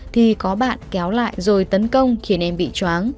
thì có bạn kéo lại rồi tấn công khiến em bị chóng